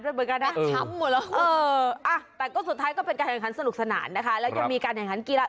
ฉ่ำเลยแต่สุดท้ายก็เป็นการแข่งขันภิกษณ์สนุกสนาน